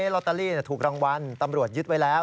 ลอตเตอรี่ถูกรางวัลตำรวจยึดไว้แล้ว